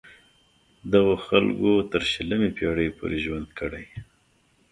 دغو خلکو تر شلمې پیړۍ پورې ژوند کړی.